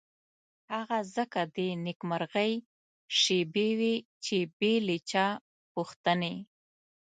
هغه ځکه د نېکمرغۍ شېبې وې چې بې له چا پوښتنې.